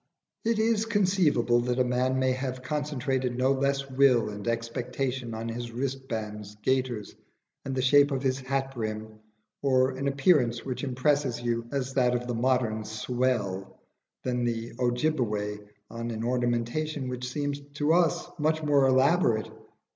It is conceivable that a man may have concentrated no less will and expectation on his wristbands, gaiters, and the shape of his hat brim, or an appearance which impresses you as that of the modern "swell," than the Ojibbeway on an ornamentation which seems to us much more elaborate.